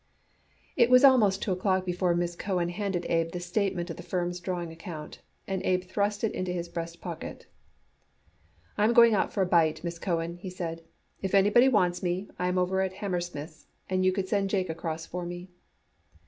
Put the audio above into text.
It was almost two o'clock before Miss Cohen handed Abe the statement of the firm's drawing account, and Abe thrust it into his breast pocket. "I'm going out for a bite, Miss Cohen," he said. "If anybody wants me, I am over at Hammersmith's and you could send Jake across for me."